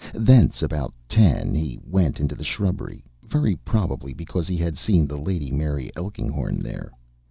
Thence about ten he went into the shrubbery, very probably because he had seen the Lady Mary Elkinghorn there.